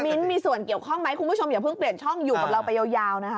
มีส่วนเกี่ยวข้องไหมคุณผู้ชมอย่าเพิ่งเปลี่ยนช่องอยู่กับเราไปยาวนะคะ